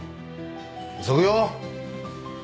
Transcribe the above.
急ぐよ！